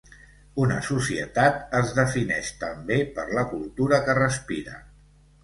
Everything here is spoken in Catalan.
Una societat es defineix, també, per la cultura que respira.